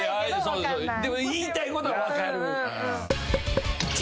でも言いたいことは分かる。